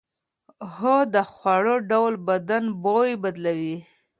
هو، د خوړو ډول بدن بوی بدلوي.